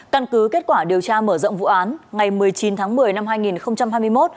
căn cứ kết quả điều tra mở rộng vụ án ngày một mươi chín tháng một mươi năm hai nghìn hai mươi một